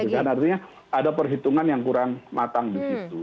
dan artinya ada perhitungan yang kurang matang disitu